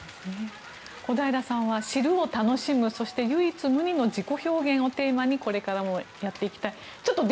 小平さんは知るを楽しむそして、唯一無二の自己表現をテーマにこれからもやっていきたいと。